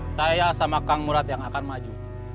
saya sama kang murad yang akan maju